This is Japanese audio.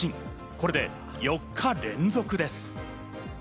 これで４日連続です。